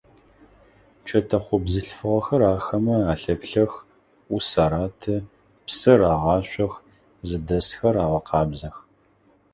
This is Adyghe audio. Чэтэхъо бзылъфыгъэхэр ахэмэ алъэплъэх, ӏус араты, псы рагъашъох, зыдэсхэр агъэкъабзэх.